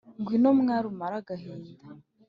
“ngwino mwali umare agahinda